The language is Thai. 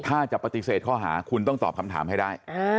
ถ้าจะปฏิเสธข้อหาคุณต้องตอบคำถามให้ได้